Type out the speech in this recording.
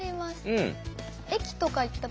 うん。